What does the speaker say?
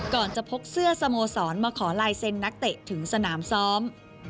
จะพกเสื้อสโมสรมาขอลายเซ็นนักเตะถึงสนามซ้อม